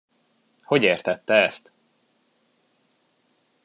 Hogy értette ezt?